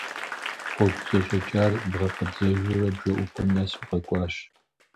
Гъуэгу зэщӀэкӀар бгъэкъэбзэжурэ, бжэӀупэм нэс укъэкӀуащ.